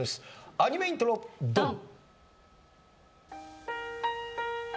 アニメイントロドン！